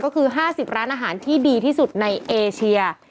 ก็คือ๕๐ร้านอาหารที่ดีที่สุดในเอเชีย